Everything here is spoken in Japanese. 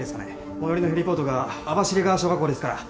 最寄りのヘリポートが網走川小学校ですからそこへ車で２０分。